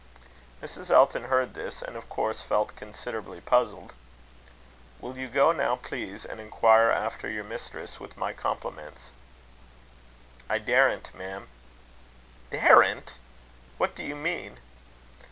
Mrs. Elton heard this, and, of course, felt considerably puzzled. "Will you go now, please, and inquire after your mistress, with my compliments?" "I daren't, ma'am." "Daren't! What do you mean?"